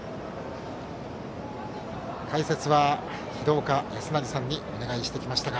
解説は廣岡資生さんにお願いしてきました。